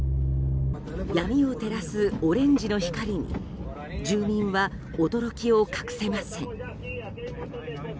闇を照らすオレンジの光に住民は驚きを隠せません。